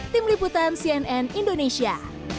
tim liputan cnn indonesia